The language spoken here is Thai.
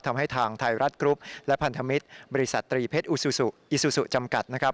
ทำให้ทางไทยรัฐกรุ๊ปและพันธมิตรบริษัทตรีเพชรอูซูซูอิซูซูจำกัดนะครับ